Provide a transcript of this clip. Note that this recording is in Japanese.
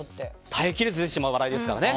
耐え切れず出てしまう笑いですからね。